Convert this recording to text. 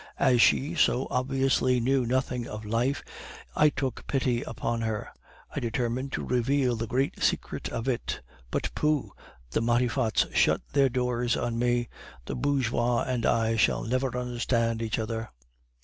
As she so obviously knew nothing of life, I took pity upon her, I determined to reveal the great secret of it. But, pooh! the Matifats shut their doors on me. The bourgeois and I shall never understand each other."